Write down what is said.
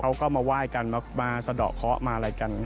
เขาก็มาไหว้กันมาสะดอกเคาะมาอะไรกัน